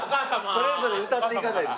それぞれ歌っていかないです。